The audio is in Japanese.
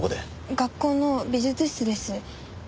学校の美術室です。